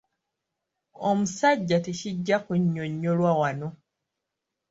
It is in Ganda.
Omusajja tekijja kunnyonnyolwa wano.